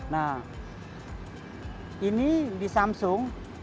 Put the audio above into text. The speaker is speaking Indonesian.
nah ini di samsung